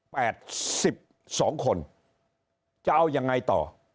สิบสองคนจะเอายังไงต่อ